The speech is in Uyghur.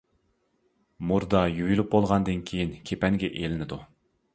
مۇردا يۇيۇلۇپ بولغاندىن كېيىن كېپەنگە ئېلىنىدۇ.